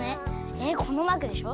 えっこのマークでしょ？